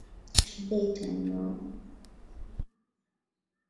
Shida itaniua